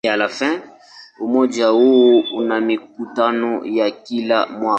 Umoja huu una mikutano ya kila mwaka.